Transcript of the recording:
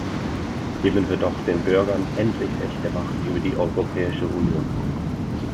Geben wir doch den Bürgern endlich echte Macht über die Europäische Union!